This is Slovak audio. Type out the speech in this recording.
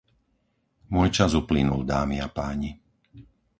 Môj čas uplynul, dámy a páni.